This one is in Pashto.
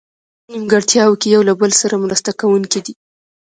نیمګړتیاوو کې یو له بله سره مرسته کوونکي دي.